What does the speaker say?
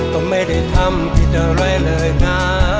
ก็ไม่ได้ทำผิดอะไรเลยนะ